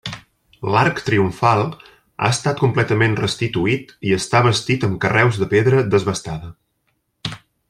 L'arc triomfal ha estat completament restituït i està bastit amb carreus de pedra desbastada.